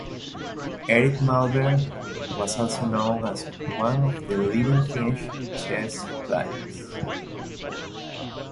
Eric Malmberg was also known as one of the leading Finnish chess players.